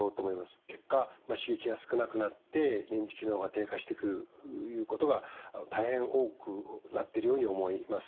結果刺激が少なくなって認知機能が低下してくるいうことが大変多くなってるように思います。